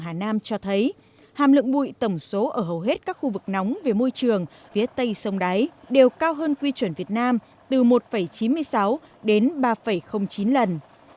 hà nam cho thấy hàm lượng bụi tổng số ở hầu hết các khu vực nóng về môi trường phía tây sông đáy đều cao hơn quy chuẩn việt nam từ một chín mươi sáu đến ba chín lần